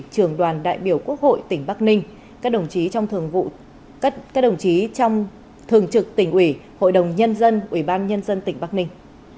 trường đoàn đại biểu quốc hội tỉnh bắc ninh các đồng chí trong thường trực tỉnh ủy hội đồng nhân dân ủy ban nhân dân tỉnh bắc ninh